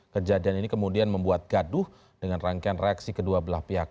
kejadian ini kemudian membuat gaduh dengan rangkaian reaksi kedua belah pihak